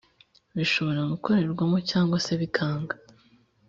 bishobora gukorerwamo cyangwa se bikanga.